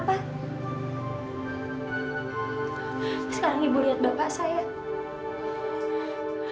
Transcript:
sekarang ibu lihat bapak saya